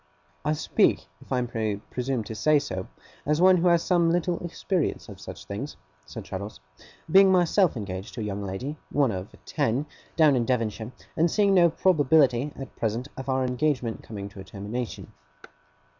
'I speak, if I may presume to say so, as one who has some little experience of such things,' said Traddles, 'being myself engaged to a young lady one of ten, down in Devonshire and seeing no probability, at present, of our engagement coming to a termination.